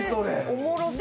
おもろそう！